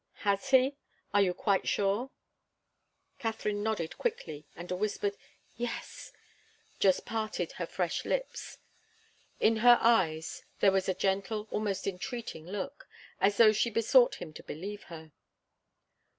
Has he? Are you quite sure?" Katharine nodded quickly and a whispered 'yes' just parted her fresh lips. In her eyes there was a gentle, almost entreating look, as though she besought him to believe her.